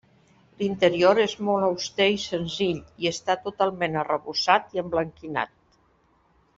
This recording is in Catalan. L'interior és molt auster i senzill i està totalment arrebossat i emblanquinat.